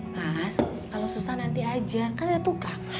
mas kalau susah nanti aja kan ada tukang